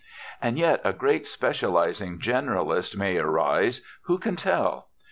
And yet a great specializing generalist may arise, who can tell?